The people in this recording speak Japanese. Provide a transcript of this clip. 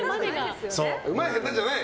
うまい下手じゃない。